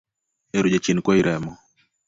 Ero jachien kwayi remo